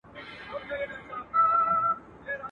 څه خوره، څه پرېږده.